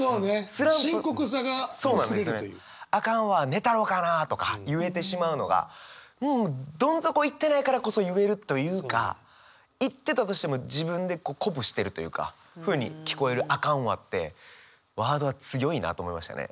「寝たろかな」とか言えてしまうのがどん底行ってないからこそ言えるというか行ってたとしても自分で鼓舞してるというかふうに聞こえる「あかんわ」ってワードは強いなと思いましたね。